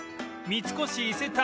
三越伊勢丹